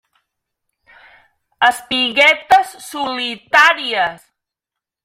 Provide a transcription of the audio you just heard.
Espiguetes solitàries.